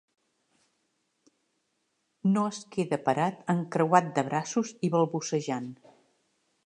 No es queda parat encreuat de braços i balbucejant.